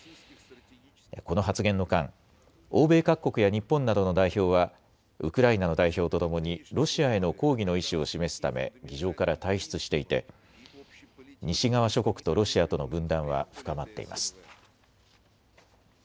この発言の間、欧米各国や日本などの代表はウクライナの代表とともにロシアへの抗議の意思を示すため議場から退出していて西側諸国とロシアとの分断は深まっています。